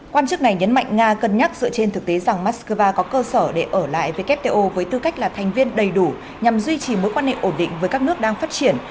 quan chức này nhấn mạnh nga cân nhắc dựa trên thực tế rằng moscow có cơ sở để ở lại wto với tư cách là thành viên đầy đủ nhằm duy trì mối quan hệ ổn định với các nước đang phát triển